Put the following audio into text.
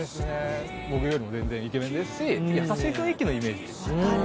僕よりも全然イケメンですし優しい雰囲気のイメージなので。